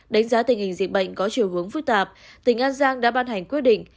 đánh giá tình hình dịch bệnh có chiều hướng phức tạp tỉnh an giang đã ban hành quyết định